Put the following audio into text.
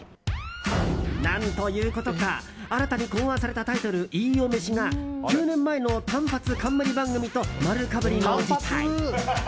何ということか新たに考案されたタイトル飯尾飯が９年前の単発冠番組と丸かぶりの事態。